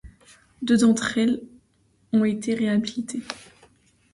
Deux d’entre elles ont été réhabilités.